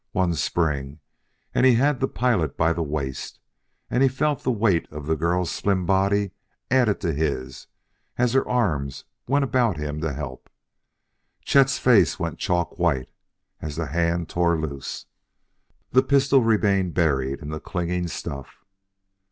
One spring, and he had the pilot by the waist, and he felt the weight of the girl's slim body added to his as her arms went about him to help. Chet's face went chalk white as the hand tore loose. The pistol remained buried in the clinging stuff.